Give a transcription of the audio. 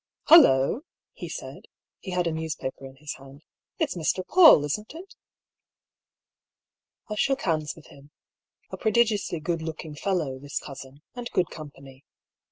PAULL'S THEORY. ^' HuUoa !" he said (he had a newspaper in his hand), "it'sMr. PauU, isn't it? ^ I shook hands with him. A prodigiously good look ing fellow, this cousin, and good company.